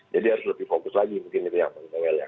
jadi harus lebih fokus lagi mungkin itu yang bang toa ya